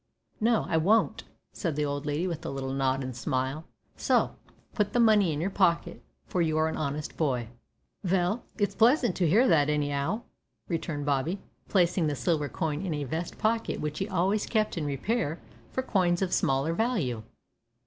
"No, I won't," said the old lady with a little nod and a smile, "so, put the money in your pocket, for you're an honest boy." "Vell, it's pleasant to 'ear that, any'ow," returned Bobby, placing the silver coin in a vest pocket which was always kept in repair for coins of smaller value.